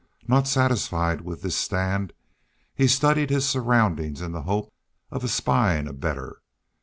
Not satisfied with this stand, he studied his surroundings in the hope of espying a better.